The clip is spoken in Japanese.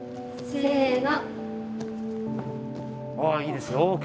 せの。